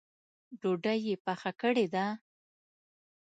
ډوډۍ یې پخه کړې ده؟